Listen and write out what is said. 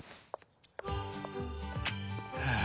はあ。